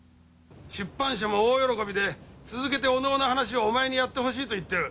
出版社も大喜びで続けてお能の話をお前にやってほしいと言ってる。